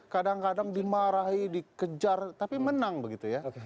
kadang kadang dimarahi dikejar tapi menang begitu ya